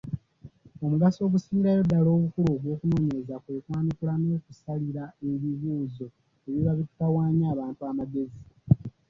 Omugaso ogusingirayo ddala obukulu ogw’okunoonyereza kwe kwanukula n’okusalira ebibuuzo ebiba bitutawaanya abantu amagezi.